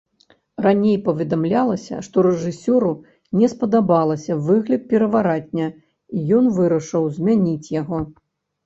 Раней паведамлялася, што рэжысёру не спадабалася выгляд пярэваратня і ён вырашыў змяніць яго.